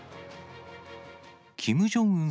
キム・ジョンウン